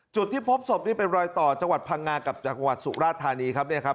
จุดที่พบศพนี่เป็นรอยต่อจังหวัดพังงากับจังหวัดสุราธานีครับเนี่ยครับ